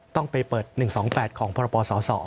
ต้องไปเปิด๑๒๘ของพรปศ